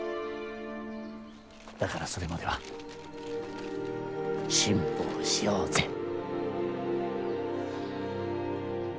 だからそれまでは辛抱しようぜ。